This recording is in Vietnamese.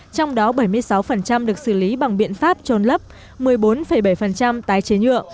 trong đó bảy mươi sáu được xử lý bằng biện pháp trôn lấp một mươi bốn bảy tái chế nhựa